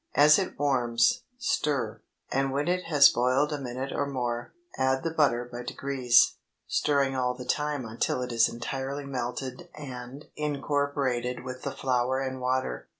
As it warms, stir, and when it has boiled a minute or more, add the butter by degrees, stirring all the time until it is entirely melted and incorporated with the flour and water.